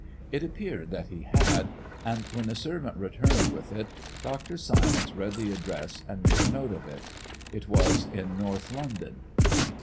It appeared that he had, and when the servant returned with it, Dr. Silence read the address and made a note of it. It was in North London.